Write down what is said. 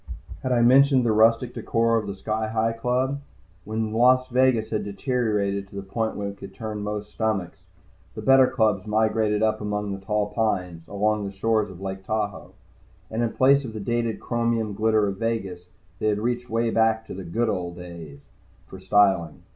Had I mentioned the rustic decor of the Sky Hi Club? When Las Vegas had deteriorated to the point where it would turn most stomachs, the better clubs migrated up among the tall pines, along the shores of Lake Tahoe. And in place of the dated chromium glitter of Vegas, they had reached way back to the "Good old days" for styling.